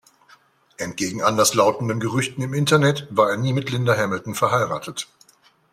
Entgegen anderslautenden Gerüchten im Internet war er nie mit Linda Hamilton verheiratet.